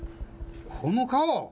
この顔？